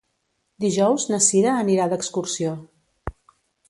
Dijous na Cira anirà d'excursió.